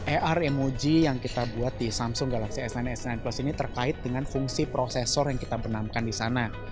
ar emoji yang kita buat di samsung galaxy s sembilan dan s sembilan plus ini terkait dengan fungsi prosesor yang kita bernamkan di sana